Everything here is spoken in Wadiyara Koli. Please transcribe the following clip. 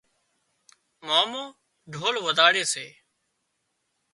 مامو ڍول وزاڙي سي